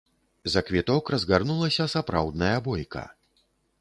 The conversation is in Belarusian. За квіток разгарнулася сапраўдная бойка.